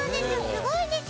すごいんですよ。